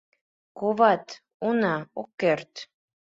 Коват, уна, ок керт.